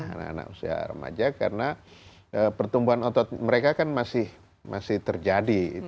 anak anak usia remaja karena pertumbuhan otot mereka kan masih terjadi